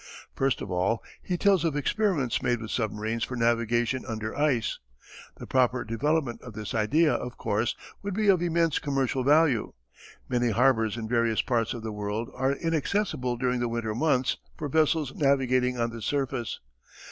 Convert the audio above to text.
First of all he tells of experiments made with submarines for navigation under ice. The proper development of this idea, of course, would be of immense commercial value. Many harbours in various parts of the world are inaccessible during the winter months for vessels navigating on the surface.